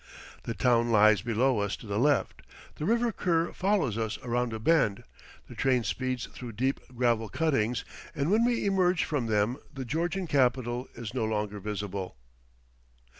The town lies below us to the left, the River Kur follows us around a bend, the train speeds through deep gravel cuttings, and when we emerge from them the Georgian capital is no longer visible.